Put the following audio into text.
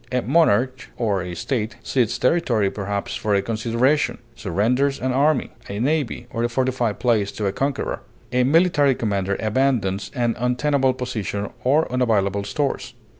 A monarch or a state cedes territory perhaps for a consideration; surrenders an army, a navy, or a fortified place to a conqueror; a military commander abandons an untenable position or unavailable stores.